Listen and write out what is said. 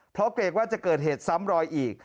เพราะเกรงว่าจะเกิดเหตุซ้ำรอยอีก